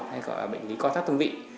hay gọi là bệnh lý co thắt thương vị